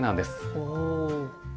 おお。